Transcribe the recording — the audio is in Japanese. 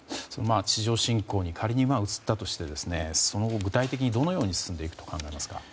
地上侵攻に仮に移ったとしてその後、具体的にどのように進んでいくと考えられますか。